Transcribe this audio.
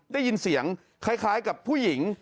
ได้ยินเสียงคล้ายกับผู้หญิง